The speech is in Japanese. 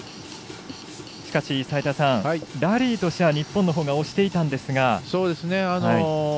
しかし、ラリーとしては日本のほうが押していたんですが。